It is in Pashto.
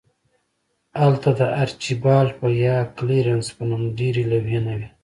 هلته د آرچیبالډ یا کلیرنس په نوم ډیرې لوحې نه وې